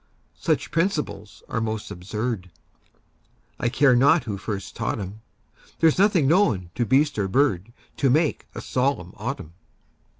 Such principles are most absurd, I care not who first taught 'em; There's nothing known to beast or bird To make a solemn autumn.